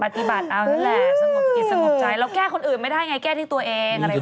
ใช้สายทางปฏิบัติเอานั่นแหละสงบกิจสงบใจ